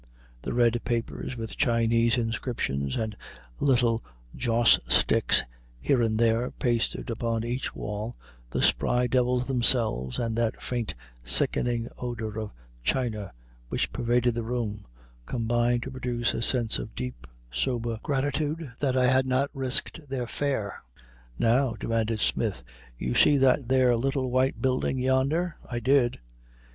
The red papers with Chinese inscriptions, and little joss sticks here and there pasted upon each wall, the spry devils themselves, and that faint, sickening odor of China which pervaded the room, combined to produce a sense of deep, sober gratitude that I had not risked their fare. "Now," demanded Smith, "you see that there little white building yonder?" I did.